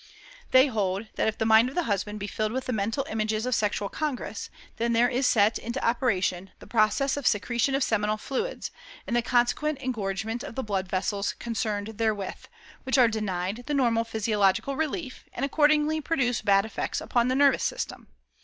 They hold that if the mind of the husband be filled with mental images of sexual congress, then there is set into operation the process of secretion of seminal fluids, and the consequent engorgement of the blood vessels concerned therewith, which are denied the normal physiological relief, and accordingly produce bad effects upon the nervous system.